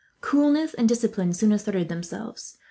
Coolness and discipline soon asserted themselves.